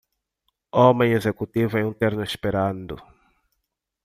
Homem executivo em um terno esperando.